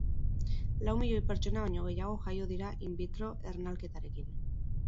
Lau milioi pertsona baino gehiago jaio dira in vitro ernalketarekin.